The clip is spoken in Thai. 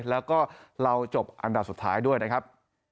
แล้วก็เราจบอันดับสุดท้ายด้วยนะครับ